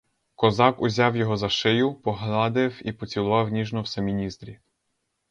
Козак узяв його за шию погладив і поцілував ніжно в самі ніздрі.